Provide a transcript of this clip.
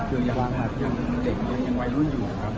เครื่องรอบหาสกรีนเด็กไม่รุ่นอยู่ครับ